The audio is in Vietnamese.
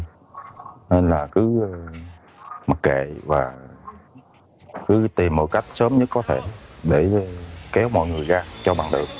nên là cứ mặc kệ và cứ tìm một cách sớm nhất có thể để kéo mọi người ra cho bằng được